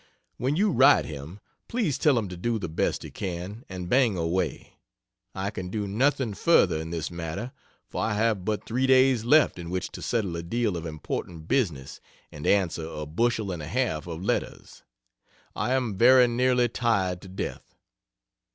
When you write him, please tell him to do the best he can and bang away. I can do nothing further in this matter, for I have but 3 days left in which to settle a deal of important business and answer a bushel and a half of letters. I am very nearly tired to death.